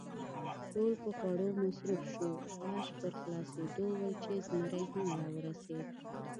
ټول په خوړو مصروف شوو، آش پر خلاصېدو ول چې زمري هم را ورسېد.